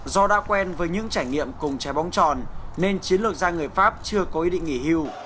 do đã quen với những trải nghiệm cùng trái bóng tròn nên chiến lược gia người pháp chưa có ý định nghỉ hưu